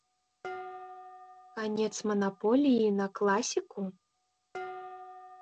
Канец манаполіі на класіку?